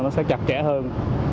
nó sẽ chặt chẽ hơn